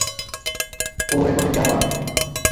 ও এখন থেকে আমার!